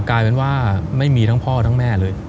กลายเป็นว่าไม่มีทั้งพ่อทั้งแม่เลย